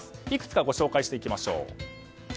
いくつかご紹介していきましょう。